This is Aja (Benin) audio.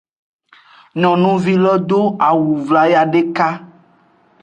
Nyonuvi lo do awu wlayaa deka.